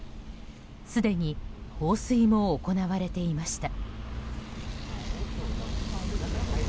すでに放水も行われていました。